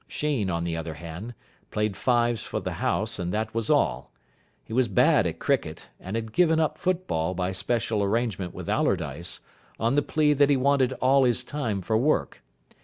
Sheen, on the other hand, played fives for the house, and that was all. He was bad at cricket, and had given up football by special arrangement with Allardyce, on the plea that he wanted all his time for work.